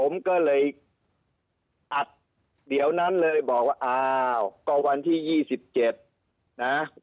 ผมก็เลยอัดเดี๋ยวนั้นเลยบอกว่าอ้าวก็วันที่ยี่สิบเจ็ดนะอ่า